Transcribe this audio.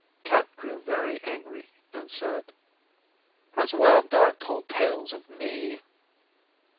Cat grew very angry and said, 'Has Wild Dog told tales of me?